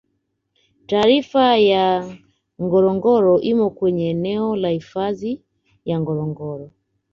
Tarafa ya Ngorongoro imo kwenye eneo la Hifadhi ya Ngorongoro